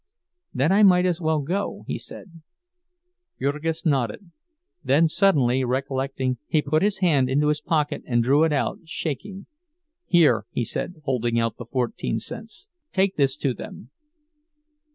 "Then I might as well go," he said. Jurgis nodded. Then, suddenly recollecting, he put his hand into his pocket and drew it out, shaking. "Here," he said, holding out the fourteen cents. "Take this to them."